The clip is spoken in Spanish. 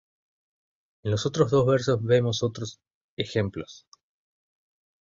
En los otros dos versos vemos otros ejemplos.